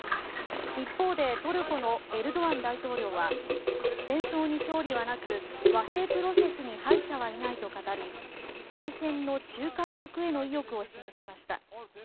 一方でトルコのエルドアン大統領は戦争に勝利はなく和平プロセスに敗者はいないと語り停戦の仲介役への意欲を示しました。